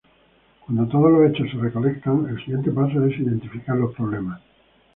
Cuando todos los hechos se recolectan, el siguiente paso es identificar los problemas.